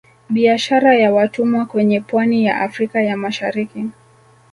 Biashara ya watumwa kwenye pwani ya Afrika ya Mashariki